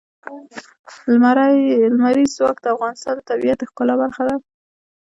لمریز ځواک د افغانستان د طبیعت د ښکلا برخه ده.